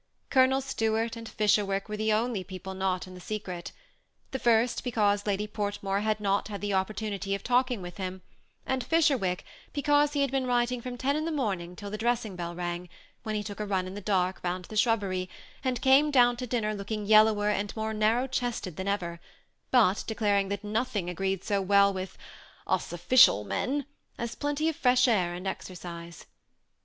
Colonel Stuart and Fisberwick were the only people not in the secret ; the first, because Lady Portmore had not had an oppor* tunity of talking to him, and Fisberwick, because he had been writing from ten in the morning till the dressing bell rang, when he took a run in the dark, round the shrubbery, and came down to din ner looking yellower and more narrow chested than ever; but declaring that nothing agreed so well with " us official men " as plenty of fresh air and ex ercise.